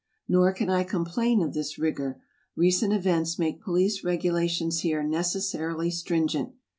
Nor can I complain of this rigor. Recent events make police regulations here necessarily stringent.